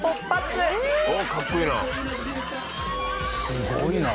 すごいな。